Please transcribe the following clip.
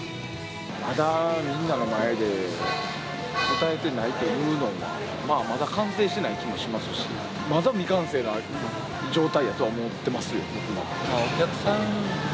まだみんなの前で歌えてないというのは、まだ完成してない気もしますし、まだ未完成の状態やとは思ってますよ、僕は。